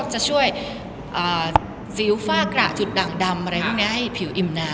จะช่วยซิลฟ่ากระจุดดั่งดำให้ผิวอิ่มน้ำ